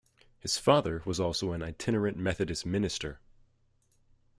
His father was also an itinerant Methodist minister.